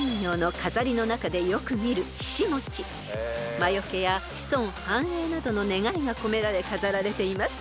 ［魔よけや子孫繁栄などの願いが込められ飾られています］